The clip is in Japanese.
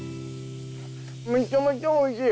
めちゃめちゃおいしい。